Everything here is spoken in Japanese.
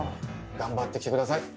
頑張ってきて下さい！